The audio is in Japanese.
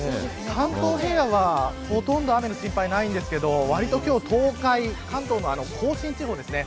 関東平野はほとんど雨の心配はないんですけどわりと今日東海、関東の甲信地方ですね。